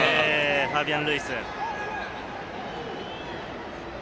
ファビアン・ルイス。